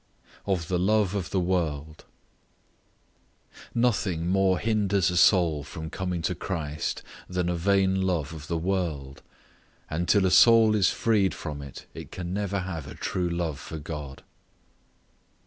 OF THE LOVE OF THE WORLD. Nothing more hinders a soul from coming to Christ than a vain love of the world; and till a soul is freed from it, it can never have a true love for God.